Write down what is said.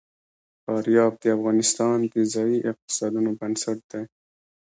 فاریاب د افغانستان د ځایي اقتصادونو بنسټ دی.